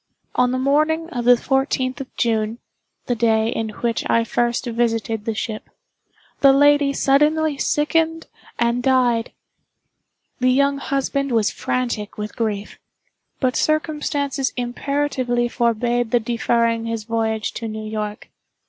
On the morning of the fourteenth of June (the day in which I first visited the ship), the lady suddenly sickened and died. The young husband was frantic with grief—but circumstances imperatively forbade the deferring his voyage to New York.